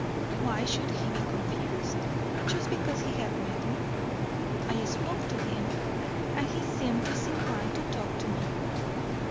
Why should he be confused, just because he had met me? I spoke to him, and he seemed disinclined to talk to me.